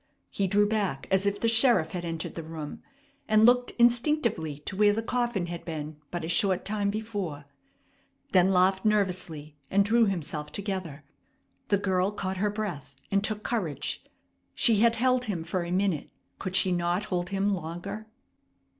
He drew back as if the sheriff had entered the room, and looked instinctively to where the coffin had been but a short time before, then laughed nervously and drew himself together. The girl caught her breath, and took courage. She had held him for a minute; could she not hold him longer?